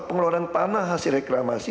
pengeluaran tanah hasil reklamasi